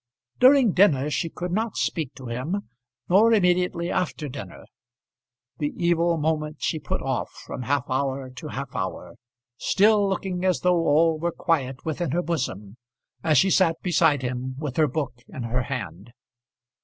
During dinner she could not speak to him, nor immediately after dinner. The evil moment she put off from half hour to half hour, still looking as though all were quiet within her bosom as she sat beside him with her book in her hand.